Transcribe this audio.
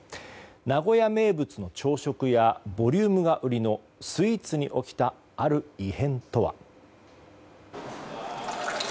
名古屋名物の朝食やボリュームが売りのスイーツに起きたある異変とは。